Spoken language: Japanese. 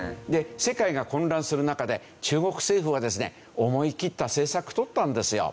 世界が混乱する中で中国政府はですね思いきった政策取ったんですよ。